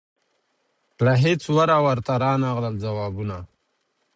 له هیڅ وره ورته رانغلل جوابونه